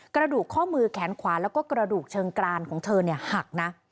กระดูกข้อมือแขนขวาแล้วก็กระดูกเชิงกรานของเธอหักนะ